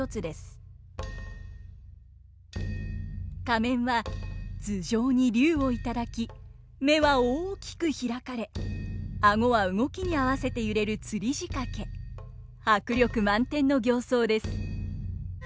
仮面は頭上に龍を頂き目は大きく開かれ顎は動きに合わせて揺れる吊り仕掛け迫力満点の形相です。